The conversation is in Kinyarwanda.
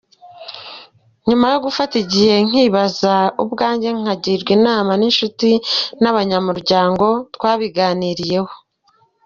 Nyuma yo gufata igihe nkibaza ubwange nkanagirwa inama n’inshuti n’abanyamuryango twabiganiriyeho